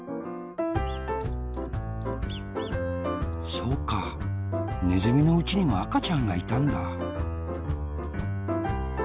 そうかねずみのおうちにもあかちゃんがいたんだ。